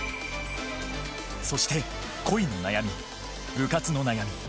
そして恋の悩み部活の悩み